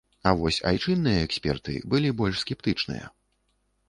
А вось айчынныя эксперты былі больш скептычныя.